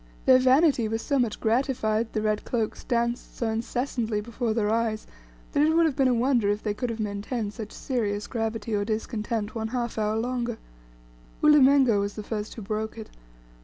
Their vanity was so much gratified, the red cloaks danced so incessantly before their eyes, that it would have been a wonder if they could have maintained such serious gravity or discontent one half hour longer. Ulimengo was the first who broke it.